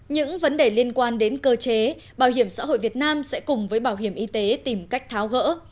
những vấn đề liên quan đến cơ chế bảo hiểm xã hội việt nam sẽ cùng với bảo hiểm y tế tìm cách tháo gỡ